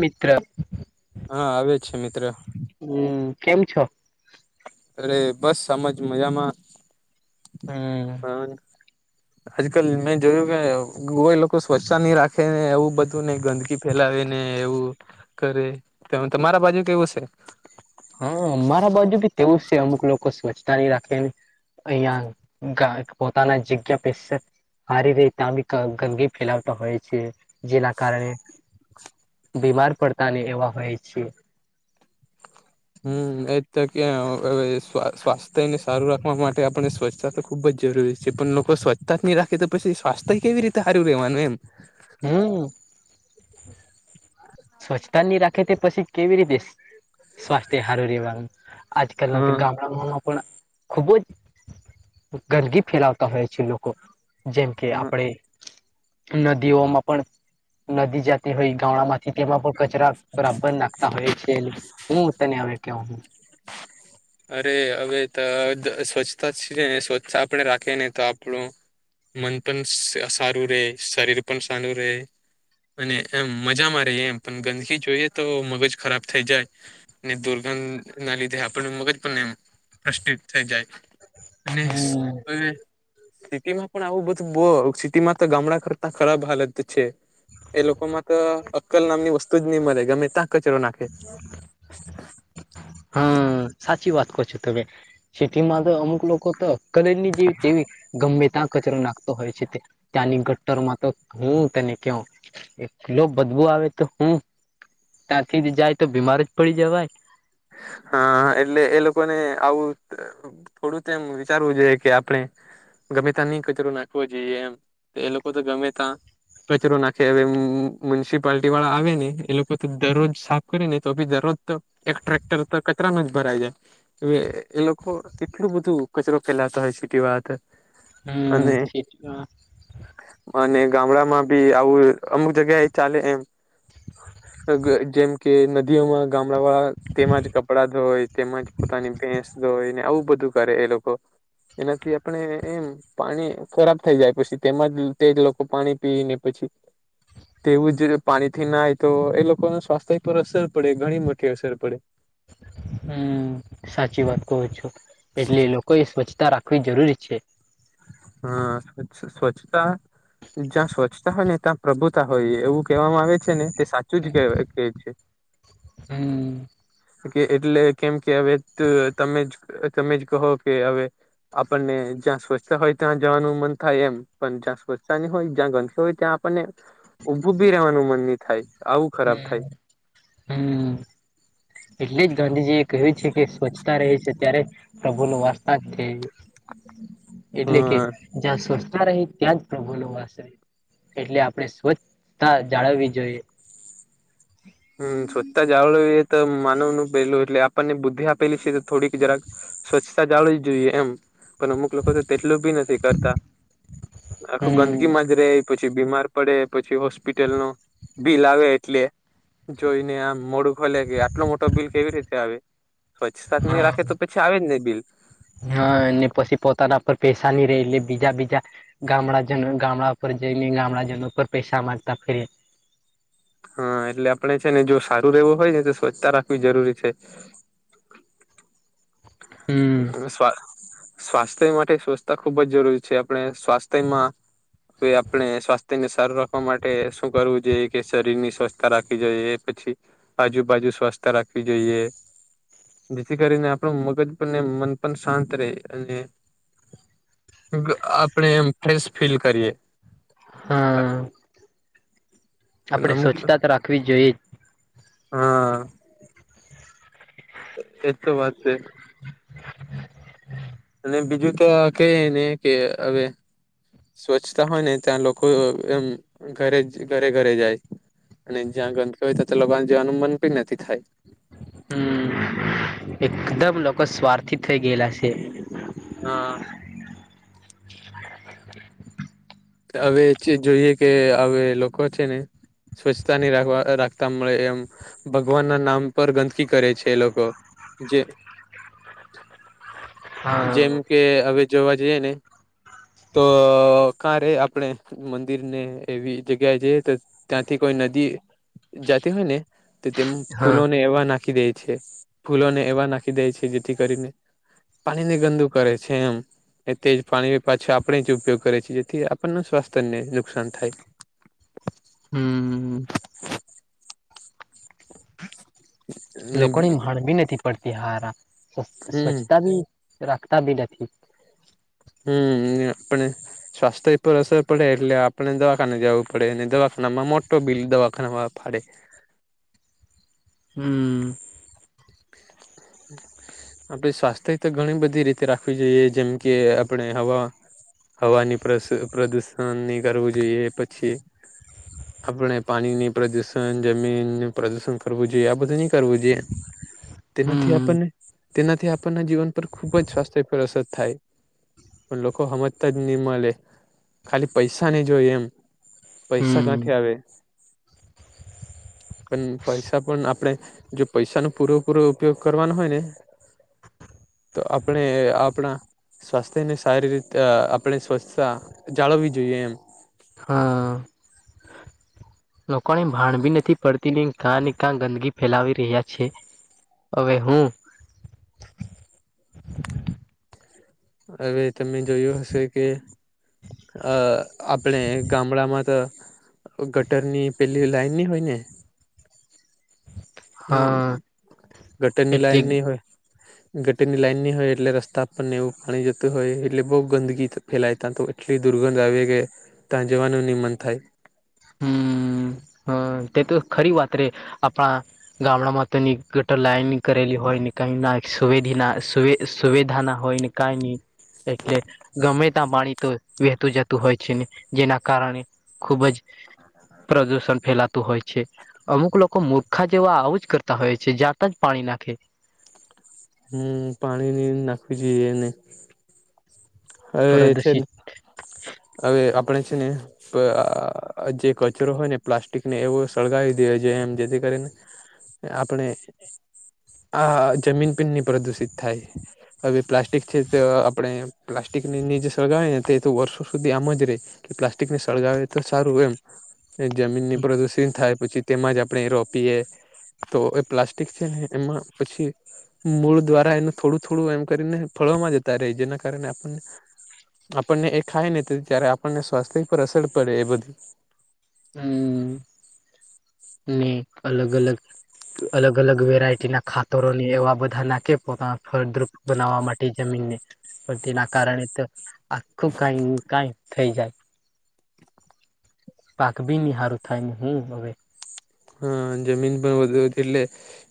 મિત્ર હા આવે છે મિત્ર હમ કેમ છો અરે બસ આમજ મજામાં હમ હ [inaudible] આજ કલ મેં જોયું કે કોઈ લોકો સ્વચ્છતા નહી રાખે ને એવું બધું નહી ગંદકી ફેલાવીને એવું કરે તેમ તમારા બાજુ એવુ હશે ને હા અમારા બાજુ બી તેવું છે અમુક લોકો સ્વચ્છતા નહી રાખે. [unintelligible] પોતાના [unintelligible] [unintelligible] ગંદગી ફેલાવતા હોય છે જેના કારણે બીમાર પડતા ને એવા હોય છે હમ એજ કે સ્વાસ્થ્યને સારું રાખવા માટે આપણે સ્વચ્છતા ખુબ જ જરૂરી છે પણ લોકો સ્વચ્છતાહી રાખે તો પછી સ્વાસ્થ્ય કેવી રીતે સારું રહેવાનું એમ હમ સ્વચ્છતા નહી રાખે તે પછી કેવી રીતે સ્વાસ્થ્ય સારું રહેેવાનું આજકાલ ના હા ગામ માં પણ ખુબ જ ગંદગી ફેલાવતા હોય છે લોકો જેમ કે હા આપણેે નદીઓમાં પણ નદી જતી હોય ગામડામાં તેમાં પણ કચરા બરાબર નાખતા હોય છે હું તને હ કહ અરે હવે તો સ્વચ્છ છે સ્વચ્છ આપે રાખીે ને તો આપણું મન પણ સારું રહે શરીર પણ સારું રહે અને એમ મજામાં ર એમ પણ ગંદકી જોઈએ તો મગજ ખરાબ થઈ જાય ને દોરગામ ના લીધે આપણ મગર પ્રશિત થઈ જાય અને હમ સિટીમાં પણ આવું બધું બ સિટીમાં તો ગામડા કરતા ખરાબ હાલત છે એ લોકોમાં તો અક્કલ નામની વસ્તુ જ નહી મળે ગમે ત્યાં કચરો નાખે હમ સાચી વાત કર છો તમે સટીમાંધ અમુક લોકોક હતો તો કલેર ની જેવી તેવી ગમે ત્યાં કચરો નાખતો હોય છે ત્યાંની ગટ્ટરમાં તો હું તેને કહ એક કિલો બદબું આવે તો હું ધ જાય તો બીમાર જ પડી જવાય હા એટલે એ લોકોને આવું થોડું એ વિચારવું જોઈએ કે આપણે ગમે ત નહી કચરો નાખવો જોઈએ એમ એ લોકો તો ગમે ત કચરો નાખે હવે મ્યુનિસિપાલટી વાળા આવે ને એ લોકો તો દરરોજ સાફ કરી નહી તો બી દરરોજ તો એક ટ્રેક્ટર તો કચરામાં જ ભરાય જાય એ એ લોકો કેટલું બધું કચરો ફેલાતા હોય સીટી વાત હમટ અને ગામડા માં બી આવું અમુક જગ્યા એ ચાલે એમ જેમ કે નદીઓમાં ગામડા વાળા તેમાંજ કપડાં ધોય તેમાંજ પોતાની ભેંસ ધોય ને આવું બધું કરે એ લોકો એનાથી આપણે એમ પાણી ખરાબ થઈ જાય પછી તેમાંજ તેજ લોકો પાણી પી ને પછી તેવું જ પાણી થી નાય તો એ લોકોને સ્વાસ્થ્ય પર અસર પડે ઘણી મોટી અસર પડે હમ્મ સાચી વાત કવ છું એટલે એ લોકો એ સ્વચ્છતા રાખ કોઈ જરૂરી છે. હા સ્વચ્છ સ્વચ્છતા જ્યાં સ્વચ્છતા હોય ને ત્યાં પ્રભુ તા હોય એવું કહેવામાં આવે છે ને તે સાચું જ કે કે છે. હમ કે એટલે કેમ કે હવે તમે જ તમે જ કહો કે હવે આપણને જ્યાં સ્વછ તા હોય ત્યાં જવાનું મન થાય એમ પણ જ્યાં સ્વચ્છતા ની હોય જ્યાં ગંદકી હોય ત્યાં આપણને ઊભું બી રહેવાનું મન નહી થાય. આવું ખરાબ હે થાય. હમ્મ. એટલે જ ગાંધીજી એ કહ્યું છે કે સ્વચ્છતા રહે છે ત્યારે પ્રભુ નુ વારસા જ છે એટલે કે હા જ્યાં સ્વચછતા રહી ત્યાં જ બોલો વાસરે એટલે આપણે સ્વચ્છતા જાળવવી જોઈએ. હમ્મ સ્વચ્છતા જાળવવી એ તો માનવ નું પેલું એટલે આપણને બુદ્ધ પેલી થોડી જરાક સ્વચ્છ જાળવી જ જોઈએ એમ પણ અમુક લોકો તો તેટલું બી નથી કરતા આખું ગંદકીમા હમ જ રે પછી બીમાર પડે પછી હોસ્પિટલ નુ બિલ આવે એટલે જોઈ ને આમ મોડું ખોલે કે આટલો મોટો બિલ કેવી રીતે આવે સ્વચ્છતા ની હા રાખે તો પછી આવે જ ને બિલ હા અને પછી પોતાના પર પૈસાની ચાલી રહે એટલે બીજા બીજા ગામડાજનો ગામડા ઉપર જઈને ગામડા જનો પર પૈસા માંગતા ફરી હા એટલે આપણે છે ને જો સારું રહેવું હોય ને તો સ્વચ્છતા રાખવી જરૂરી છે. હમ શું સ્વા સ્વાસ્થ્ય માટે સ્વચ્છતા ખુબ જ જરૂરી છે આપણે સ્વાસ્થ્યમાં તો આપણે સ્વાસ્થ્યને સારું રાખવા માટે શું કરવું જોઈએ કે શરીર ની સ્વચ્છતા રાખવી જોઈએ. પછી આજુબાજુ સ્વસ્થ રાખવી જોઈએ જેથી કરીને આપણું મગજ આપને મન પણ શાંત રહે અને આપણે એમ ફ્રેશ ફીલ કરીએ હા. આપણે અમુક સ્વચ્છતા તો રાખવી જ જોઈએ. હા. એજ તો વાત છે. અને બીજું તો કહી ને કે હવે સ્વચ્છતા હોય ને ત્યાં લોકો એમ ઘરે ઘરે ઘરે જાય અને જ્યાં ગંદકી હોય તો તો લોકોને જવાનું મન કોઈ નથી થાય હમ્મ એકદમ લોકો સ્વાર્થી થઇ ગયેલા છે હા. હવે જોઈએ કે હવે લોકો છે ને સ્વચ્છતા ની રાખવા રાખતા મળે એમ ભગવાન ના નામ પર ગંદકી કરે છે એ લોકો જે હા જેમ કે હવે જોવા જઈએ ને તો કા રે આપણે મંદિર ને એવી જગ્યા છે તો ત્યાંથી કોઈ નદી જતી હોય ને તો તેમ હા ફૂલોને એવા નાખી દે છે ફૂલોને એવા નાખી દે છે જેથી કરીને પાણી ની ગંદુ કરે છે એમ એ તેજ પાણી પાછા આપણે જ ઉપયોગ કરે છીએ જેથી આપણને સ્વાસ્થ્યને નુકસાન થાય હમ્મ હમ્મ. ને લોકોની હણ ભી નથી પડતી હારા હમ સ્વચ્છતા બી રાખતા બી નથી. હમ્મ હમ્મ આપણે સ્વાસ્થ્ય ઉપર અસર પડે એટલે આપને દવાખાને જવું પડે અનેને દવાખાન માં મોટુ બીલ દવાખામાં ફાડે હમ્મ. [inaudible] આપણે સ્વાસ્થ્ય તો ઘણી બધી રીતે રાખવી જોઈએ જેમ કે આપણે હવા હવાની પ્ર પ્રદુષણ ની કરવું જોઈએ પછી આપણે પાણીની પ્રદુષણ, જમીનું પ્રદુષણ કરવું જોઈએ આ બધું ની કરવું જોઈએ. થી હમ આપણને તેનાથી આપણના જીવન પર ખુબ જ સ્વાસ્થ્ય પર અસર થાય. પણ લોકો હમજતા જ ની મલે ખાલી પૈસા નહીં જોય એમ. પૈસા હમ ક્યાંથી આવે? પણ પૈસા પણ આપણેે જો પૈસાનો પૂરોપૂરો ઉપયોગ કરવાનો હોય ને તો આપણે આપણા સ્વાસ્થ્યને સારી રીતે અ આપણે સ્વચ્છતા જાળવવી જોઈએ એમ. હા. લોકોને ભાણ બી નથી પડતી ને કાંને કાં ગંદકી ફેલાવી રહ્યા છે. અવે હું. અવે તમે જોયું હશે કે અ આપણે ગામડામાં તો ગટરની પેલી લાઈન ની હોય ને હા હમ્મ, ગટરની લાઈન ની હોય. હ ગટીરની લાઈન ની હોય એટલે રસ્તા પરને એવું પાણી જતું હોય એટલે બહુ ગંદગી ફેલાય તા તો એટલી દુર્ગંધ આવે કે ત્યાં જવાનું ની મન થાય. હમ્મ હ તે તો ખરી વાત રે આપણા ગામડામાં તો ની ગટર લાઈન કરેલી હોય ને કઈ ના સુવેધિના સુવેધા ના હોય ને કાઈ ની એટલે ગમે તા પાણી તો વહેતું જતું હોય છે ને જેના કારણે ખૂબ જ પ્રદૂષણ ફેલાતું હોય. છે અમુક લોકો મૂર્ખા જેવાં આવું જ કરતાં હોય છે જાત જ પાણી નાખે. હમ્મ, પાણી ની નાખવી જોઈએ નઈ. અવે છે ને પ્રદુષિત અવે આપણે છે ને પ આ જે કચરો હોય ને પ્લાસ્ટિકને એવો સળગાવી દેવો જોઈએ એમ જેથી કરીને આપણે આ જમીન પણની પ્રદુષિત થાય અવે પ્લાસ્ટિક છે જ આપણે પ્લાસ્ટિકની જો સળગાવીએ ને તે તો વર્ષો સુધી આમ જ રેય. કે પ્લાસ્ટિકને સળગાવે તો સારું એમ જમીનને પ્રદુષણ થાય પછી તેમાં જ આપણે રોપીએ તો એ પ્લાસ્ટિક છે ને એમાં પછી મૂળ દ્વારા એનું થોડું થોડું એમ કરીને ફળવામાં જતા રેય જેના કારણે આપણને આપણને એ ખાયને તો જ્યારે આપણને સ્વાસ્થ્ય પર અસર પડે એ બધી. હમ્મ ને અલગ-અલગ અલગ-અલગ વેરાયટીના ખાતરોની એવાં બધાં નાખે પોતાના ફળદ્રુપ બનાવવા માટે જમીનને પણ તેના કારણે તો આખું કાઈ કાઈ થઈ જાય. પાક બી ની હારું થાય ને હું હવે. હમ્મ, જમીન પણ વધુ હતી એટલે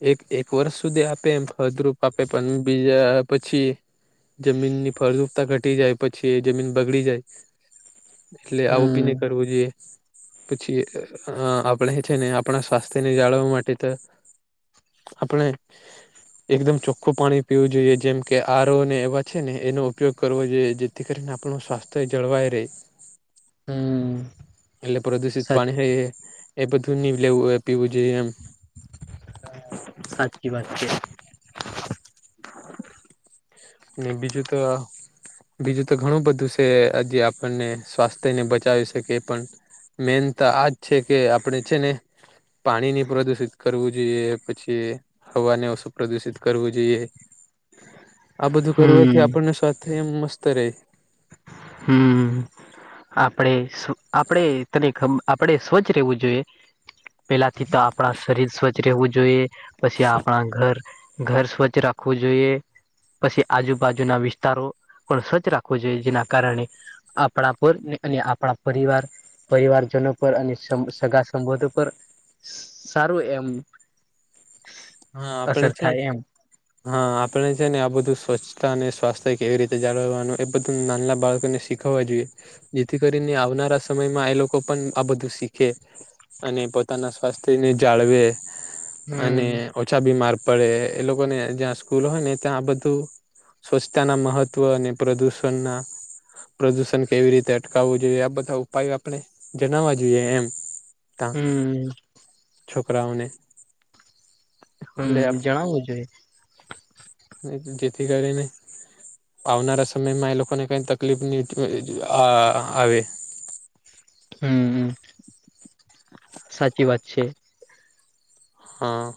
એક એક વર્ષ સુધી આપે એમ ફળદ્રુપ આપે પણ બીજા પછી જમીનની ફળદ્રુપતા ઘટી જાય પછી એ જમીન બગડી જાય. એટલે આવું બી હમ ની કરવું જોઈએ પછી આપણે છે ને આપણા સ્વાસ્થ્યને જાળવવા માટે તો આપણે એકદમ ચોખ્ખું પાણી પીવું જોઈએ જેમ કે આરો ને એવા છે ને એનો ઉપયોગ કરવો જોઈએ જે થી કરીને આપણું સ્વાસ્થ્ય જળવાય રેય. હમ એટલે પ્રદુષિત સાચ પાણી હોય એ એ બધું ની લેવું પીવું જોઈએ એમ. સાચી વાત છે. ને બીજું તો બીજું તો ઘણું બધું છે હજી આપણને સ્વાસ્થ્યને બચાવી શકે એ પણ મેન તો આજ છે કે આપણે છે ને પાણી ની પ્રદુષિત કરવું જોઈએ પછી હવાને ઓછું પ્રદુષિત કરવું જોઈએ. આ બધું કરવાથી હમ આપણને સ્વાસ્થ્ય એમ મસ્ત રહે. હમ આપણે સ આપણેે તને ખબ આપણે સ્વચ્છ રહેવું જોઈએ. પેલાથી તો આપણા શરીર સ્વચ્છ રહેવું જોઈએ પછી આપણા ઘર ઘર સ્વચ્છ રાખવું જોઈએ. પછી આજુબાજુના વિસ્તારો પણ સ્વચ્છ રાખવો જોઈએ જેના કારણે આપણા પર અને આપણા પરિવાર પરિવારજનો પર અને સગા સંબંધો પર સારું એમ હા આપડે અસર છે. થાય એમ હા આપણે છે ને આ બધું સ્વચ્છતા અને સ્વાસ્થ્ય કેવી રીતે જાળવવાનું એ બધું નાના બાળકોનેખ થવા જોઈએ જેથી કરીને આવનારા સમયમાં એ લોકો પણ આ બધું શીખે. અને પોતાના સ્વાસ્થ્યને જાળવે અને હમ ઓછા બીમાર પડે એ લોકોને જ્યાં સ્કૂલ હોય ને ત્યાં બધું સ્વચ્છતાના મહત્વ અને પ્રદૂષણના પ્રદૂષણ કેવી રીતે અટકાવવું જોઈએ આ બધા ઉપાયો આપણે જણાવવા જોઈએ એમ ત હમ છોકરાઓને હમ એટલે જણાવ જોું જેથી કરી ને આવનારા સમયમાં એ લોકોને કઈ તકલીફ ની આ આવે હમ હમ સાચી વાત છે. હા